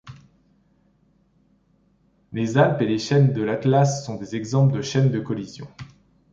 Les Alpes et les chaînes de l'Atlas sont des exemples de chaîne de collision.